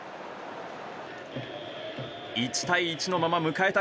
１対１のまま迎えた